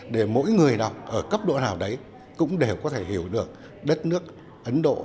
để mỗi người đọc ở cấp độ nào đấy cũng đều có thể hiểu được đất nước ấn độ